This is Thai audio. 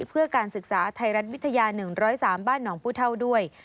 เพื่อการศึกษาไทยรัฐวิทยา๑๐๓บ้านหนองผู้เท่าด้วย